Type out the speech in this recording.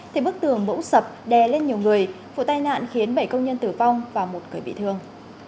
thì bức tường bỗng sập đè lên nhiều người vụ tai nạn khiến bảy công nhân tử vong và một người bị thương